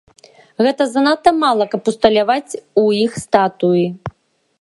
Гэта занадта мала, каб усталяваць у іх статуі.